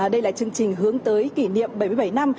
đây là chương trình hướng tới kỷ niệm bảy mươi bảy năm